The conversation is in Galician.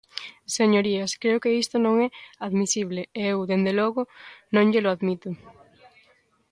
Señorías, creo que isto non é admisible e eu, dende logo, non llelo admito.